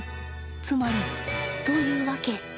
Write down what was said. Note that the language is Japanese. つまり。というわけ。